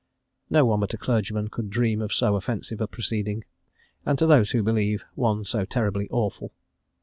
No one but a clergyman could dream of so offensive a proceeding, and, to those who believe, one so terribly awful.